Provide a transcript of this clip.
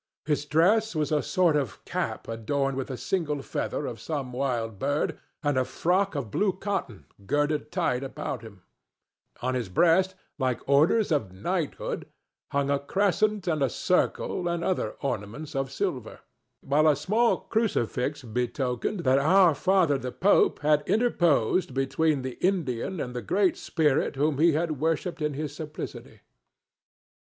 His dress was a sort of cap adorned with a single feather of some wild bird, and a frock of blue cotton girded tight about him; on his breast, like orders of knighthood, hung a crescent and a circle and other ornaments of silver, while a small crucifix betokened that our father the pope had interposed between the Indian and the Great Spirit whom he had worshipped in his simplicity.